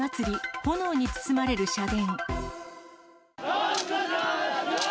炎に包まれる社殿。